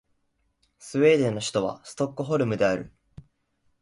スウェーデンの首都はストックホルムである